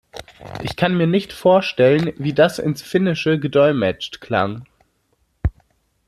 Ich kann mir nicht vorstellen, wie das ins Finnische gedolmetscht klang.